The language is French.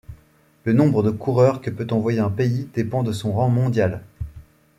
Le nombre de coureurs que peut envoyer un pays dépend de son rang mondial.